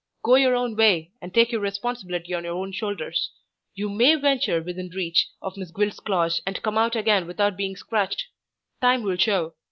Go your own way, and take your responsibility on your own shoulders. You may venture within reach of Miss Gwilt's claws and come out again without being scratched. Time will show.